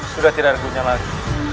sudah tidak ada gunanya lagi